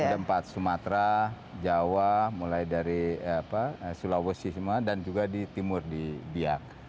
jadi sudah empat sumatera jawa mulai dari sulawesi semua dan juga di timur di biak